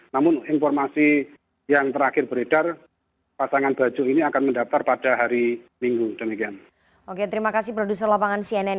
namun informasi yang terakhir beredar pasangan baju ini akan mendaftar pada hari minggu